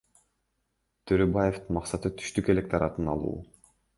Төрөбаевдин максаты түштүк электоратын алуу.